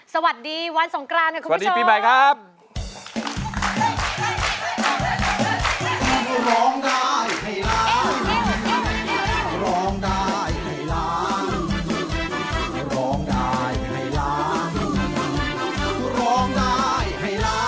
สวัสดีวันสงกรานค่ะคุณผู้ชมสวัสดีปีใหม่ครับสวัสดีค่ะคุณผู้ชม